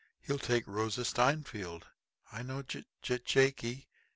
He'll take Rosa Steinfeld. I know J J Jakey.